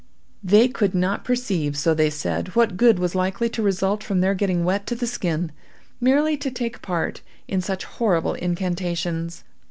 They could not perceive, so they said, what good was likely to result from their getting wet to the skin, merely to take a part in such horrible incantations.